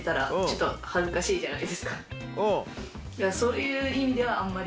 そういう意味ではあんまり。